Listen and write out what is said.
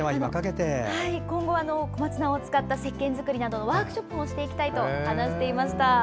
今後、小松菜を使ったせっけん作りなどのワークショップをしていきたいと話していました。